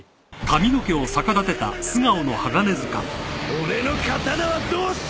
俺の刀はどうした！？